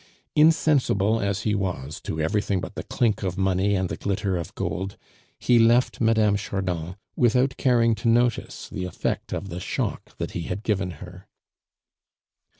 Insensible as he was to everything but the clink of money and the glitter of gold, he left Mme. Chardon without caring to notice the effect of the shock that he had given her.